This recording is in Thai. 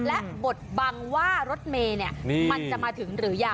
และบทบังว่ารถเมย์มันจะมาถึงหรือยัง